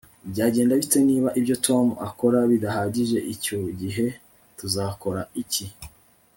Byagenda bite niba ibyo Tom akora bidahagije Icyo gihe tuzakora iki